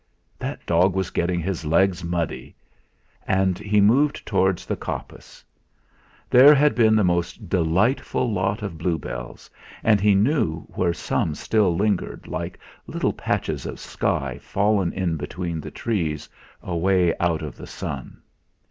That dog was getting his legs muddy! And he moved towards the coppice. There had been the most delightful lot of bluebells, and he knew where some still lingered like little patches of sky fallen in between the trees, away out of the sun.